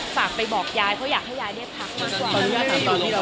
ฝากไปบอกยายเพราะอยากให้ยายได้พักมากกว่า